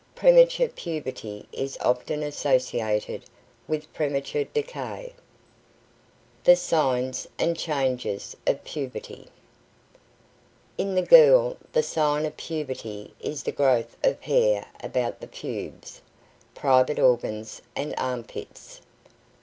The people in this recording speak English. Premature puberty is often associated with premature decay. THE SIGNS AND CHANGES OF PUBERTY In the girl the sign of puberty is the growth of hair about the pubes, private organs and armpits.